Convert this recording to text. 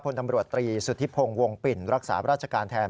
พลตำรวจตรีสุธิพงศ์วงปิ่นรักษาราชการแทน